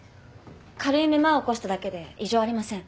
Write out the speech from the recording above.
軽い目まいを起こしただけで異常ありません。